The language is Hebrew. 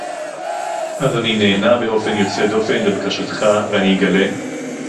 אז אני נענה באופן יוצא דופן לבקשתך ואני אגלה